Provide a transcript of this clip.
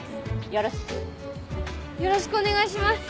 よろしくお願いします。